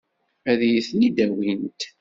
Ad iyi-ten-id-awint?